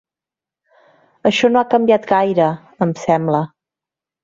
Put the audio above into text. Això no ha canviat gaire, em sembla.